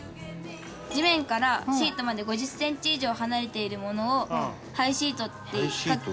地面からシートまで５０センチ以上離れているものを「ハイシート」って書いてあって。